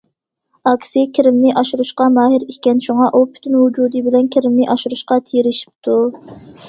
ئاكىسى كىرىمنى ئاشۇرۇشقا ماھىر ئىكەن، شۇڭا ئۇ پۈتۈن ۋۇجۇدى بىلەن كىرىمنى ئاشۇرۇشقا تىرىشىپتۇ.